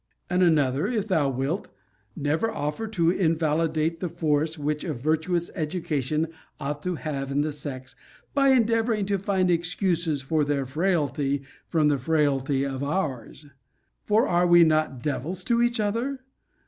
And another, if thou wilt Never offer to invalidate the force which a virtuous education ought to have in the sex, by endeavouring to find excuses for their frailty from the frailty of ours. For, are we not devils to each other?